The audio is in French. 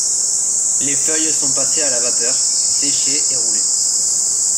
Les feuilles sont passées à la vapeur, séchées et roulées.